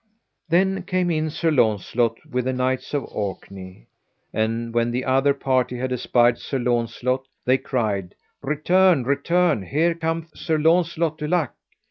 Then came in Sir Launcelot with the knights of Orkney. And when the other party had espied Sir Launcelot, they cried: Return, return, here cometh Sir Launcelot du Lake.